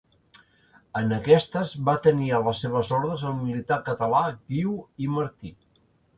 En aquestes va tenir a les seves ordres el militar català Guiu i Martí.